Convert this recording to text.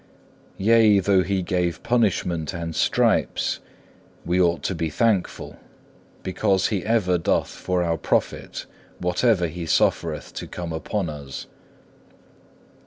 Yea, though He gave punishment and stripes, we ought to be thankful, because He ever doth for our profit whatever He suffereth to come upon us.